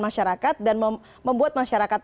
masyarakat dan membuat masyarakat